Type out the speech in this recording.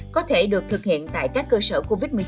có thể được thực hiện tại các cơ sở covid một mươi chín cộng đồng